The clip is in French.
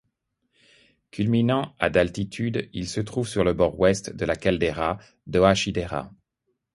Culminant à d'altitude, il se trouve sur le bord ouest de la caldeira d'Ohachidaira.